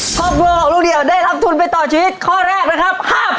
ครอบเวอร์ของลุงเดียวได้รับทุนไปต่อชีวิตข้อแรกนะครับ๕๐๐๐บาท